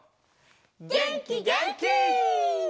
げんきげんき！